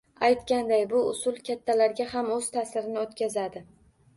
Aytganday, bu usul kattalarga ham o‘z ta’sirini o‘tkazadi!